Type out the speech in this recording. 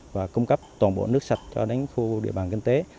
và cung cấp toàn bộ nước sạch cho đến khu địa bàn kinh tế